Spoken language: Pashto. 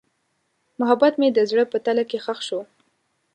محبت مې د زړه په تله کې ښخ شو.